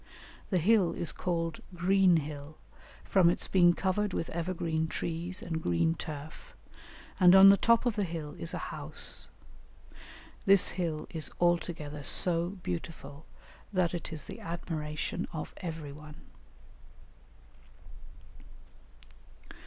The hill is called 'green hill,' from its being covered with evergreen trees and green turf, and on the top of the hill is a house. This hill is altogether so beautiful that it is the admiration of every one."